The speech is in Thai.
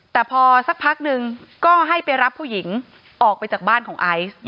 แต่พอสักพักนึงก็ให้ไปรับผู้หญิงออกไปจากบ้านของไอซ์